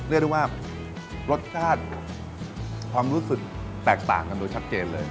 เรียกได้ว่ารสชาติความรู้สึกแตกต่างกันโดยชัดเจนเลย